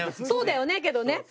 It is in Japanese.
そうだよね、けどね。